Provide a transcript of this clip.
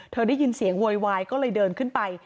ได้ยินเสียงโวยวายก็เลยเดินขึ้นไป